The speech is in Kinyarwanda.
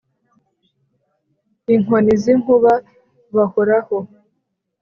. Inkoni z’inkuba bahoraho.